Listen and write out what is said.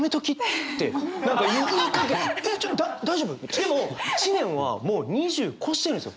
でも知念はもう２０超してるんですよ。